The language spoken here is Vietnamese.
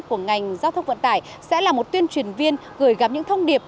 của ngành giao thông vận tải sẽ là một tuyên truyền viên gửi gắm những thông điệp